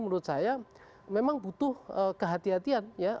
menurut saya memang butuh kehatian kehatian ya